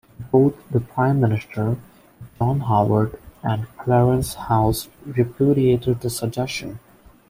Both the Prime Minister, John Howard, and Clarence House repudiated the suggestion.